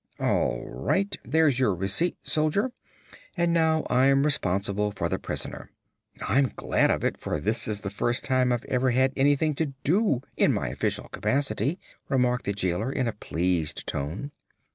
"All right. There's your receipt, Soldier; and now I'm responsible for the prisoner. I'm glad of it, for this is the first time I've ever had anything to do, in my official capacity," remarked the jailer, in a pleased tone.